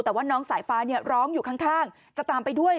แต่ว่าน้องสายฟ้าร้องอยู่ข้างจะตามไปด้วย